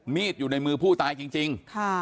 มีดอยู่ในมือผู้ตายจริง